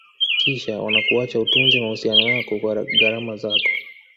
kisha yanakuacha utunze mahusiano yako kwa gharama zako